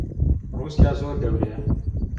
ڕووسیا زۆر گەورەیە.